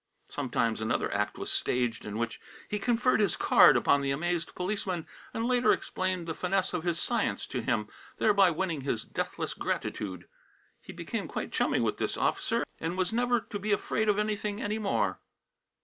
Sometimes another act was staged in which he conferred his card upon the amazed policeman and later explained the finesse of his science to him, thereby winning his deathless gratitude. He became quite chummy with this officer and was never to be afraid of anything any more.